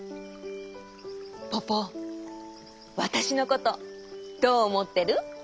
ポポわたしのことどうおもってる？